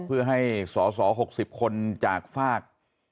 เพื่อให้สอสอ๖๐คนจากฝาก